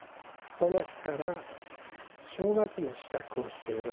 その日から正月の支度をしてよろしい。